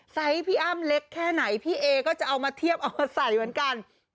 พี่อ้ำเล็กแค่ไหนพี่เอก็จะเอามาเทียบเอามาใส่เหมือนกัน